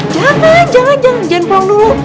jangan jangan jangan jangan pulang dulu